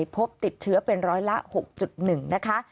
พบติดเชื้อเป็นร้อยละ๖๑นะคะ